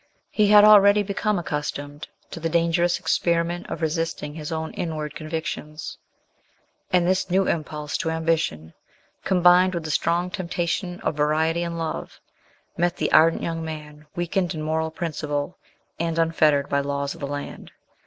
He had already become accustomed to the dangerous experiment of resisting his own inward convictions; and this new impulse to ambition, combined with the strong temptation of variety in love, met the ardent young man weakened in moral principle, and unfettered by laws of the land.